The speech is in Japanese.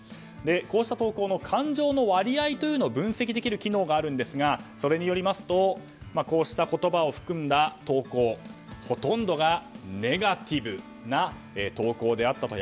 こうした投稿の感情の割合というのを分析できる機能がありますがそれによりますとこうした言葉を含んだ投稿ほとんどがネガティブな投稿であったと。